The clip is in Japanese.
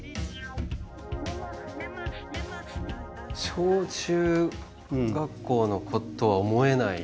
小中学校の子とは思えない。